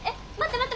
待って！